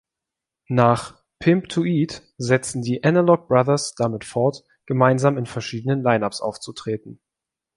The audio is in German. Nach „Pimp to Eat", setzten die Analog Brothers damit fort, gemeinsam in verschiedenen Line-Ups aufzutreten.